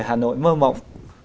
hà nội mơ mộng